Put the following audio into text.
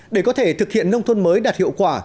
để có thể thực hiện nông thôn mới đạt hiệu quả